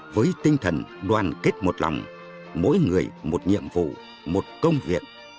với tinh thần đoàn kết một lòng mỗi người một nhiệm vụ một công việc